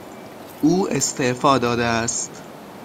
او استعفا داده است.